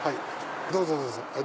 どうぞどうぞ。